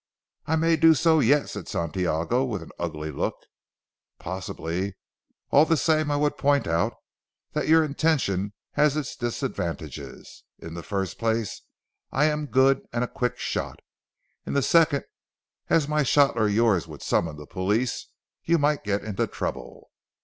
"I may do so yet," said Santiago with an ugly look. "Possibly. All the same I would point out that your intention has its disadvantages. In the first place I am a good and a quick shot. In the second as my shot or yours would summon the police, you might get into trouble."